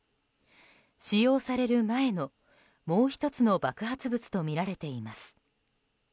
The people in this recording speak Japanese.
使用される前の、もう１つの爆発物とみられています。